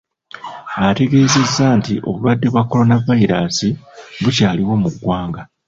Ategeezeza nti obulwadde bwa coronavirus bukyaliwo mu ggwanga.